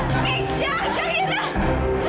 kamisya zaira udah